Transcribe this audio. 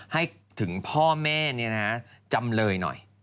ให้ถึงพ่อแม่เนี่ยนะฮะจำเลยหน่อย